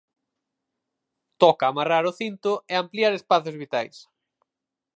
Toca amarrar o cinto e ampliar espazos vitais.